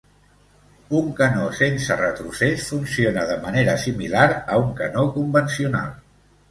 Un canó sense retrocés funciona de manera similar a un canó convencional.